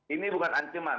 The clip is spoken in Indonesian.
ini bukan ancaman